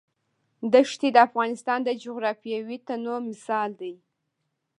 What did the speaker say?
ښتې د افغانستان د جغرافیوي تنوع مثال دی.